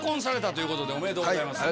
おめでとうございます。